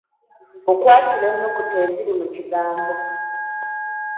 Okwatula ennukuta eziri mu kigambo